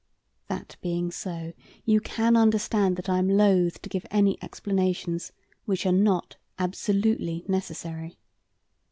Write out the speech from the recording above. That being so, you can understand that I am loath to give any explanations which are not absolutely necessary.